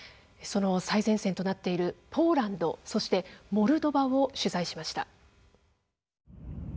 その最前線となっているポーランドそしてモルドバを取材しました。